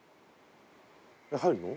入るの？